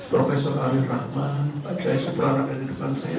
profesor arief rahman pak jaisa peranakan di depan saya